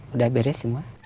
udah beres semua